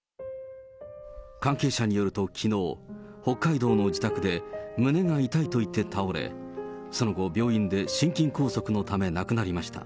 関係者によるときのう、北海道の自宅で、胸が痛いと言って倒れ、その後、病院で心筋梗塞のため亡くなりました。